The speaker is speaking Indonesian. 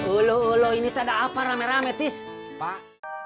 ulo ulo ini tak ada apa rame rame tis pak